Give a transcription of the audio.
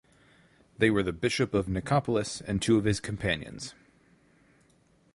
They were the bishop of Nicopolis and two of his companions.